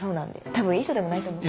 多分いい人でもないと思う。